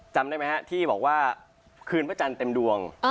จำได้ไหมฮะที่บอกว่าคืนพระจันทร์เต็มดวง